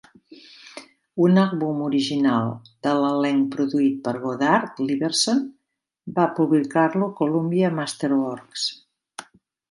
Un àlbum original de l'elenc produït per Goddard Lieberson va publicar-lo Columbia Masterworks.